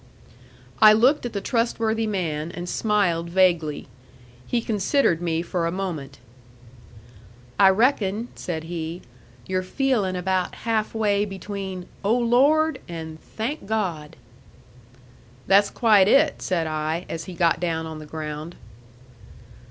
I looked at the trustworthy man, and smiled vaguely. He considered me for a moment. "I reckon," said he, "you're feelin' about halfway between 'Oh, Lord!' and 'Thank God!'" "That's quite it," said I, as he got down on the ground.